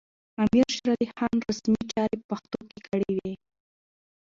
امیر شېرعلي خان رسمي چارې په پښتو کړې وې.